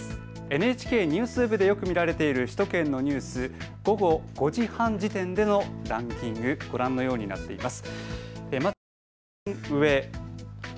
ＮＨＫＮＥＷＳＷＥＢでよく見られている首都圏のニュース、午後５時半時点でのランキング、ご覧のようになっています。